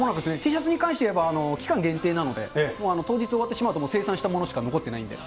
Ｔシャツに関していえば、期間限定なので、もう当日終わってしまうと、生産したものしか残ってないんで。